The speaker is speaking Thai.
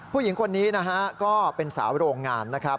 ผู้หญิงคนนี้ก็เป็นสาวโรงงาน